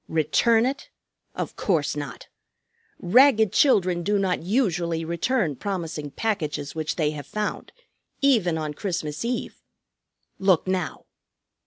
"Return it? Of course not! Ragged children do not usually return promising packages which they have found, even on Christmas Eve. Look now!"